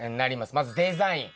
まずデザイン。